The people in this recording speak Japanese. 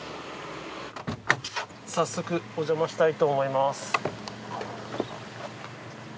早速おじゃましたいと思います。